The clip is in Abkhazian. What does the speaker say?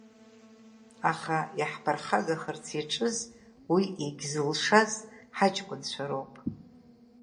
Аха иаҳԥырхагахарц иаҿыз, уи иагьзылшаз ҳаҷкәынцәа роуп.